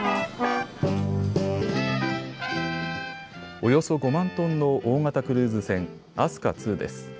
およそ５万トンの大型クルーズ船、飛鳥２です。